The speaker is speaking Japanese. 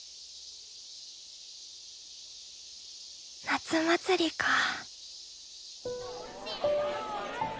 夏祭りかぁ。